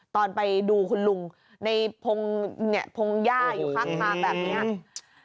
ตอนไปดูคุณลุงในพงหญ้าอยู่ข้างทางแบบนี้